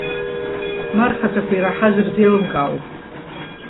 Ма рхаҭақәа ираҳаз рзеилымкаазу?